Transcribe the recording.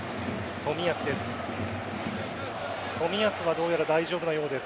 冨安はどうやら大丈夫なようです。